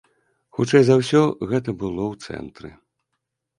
Хутчэй за ўсё, гэта было ў цэнтры.